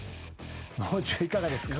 もう中いかがですか？